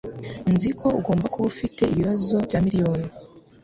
Nzi ko ugomba kuba ufite ibibazo bya miliyoni.